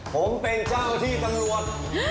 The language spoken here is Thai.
ผมเป็นเจ้าที่ตำรวจ